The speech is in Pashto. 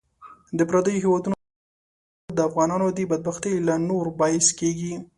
د پردیو هیوادونو ته غلامي کول د افغانانو د بدبختۍ لا نور باعث کیږي .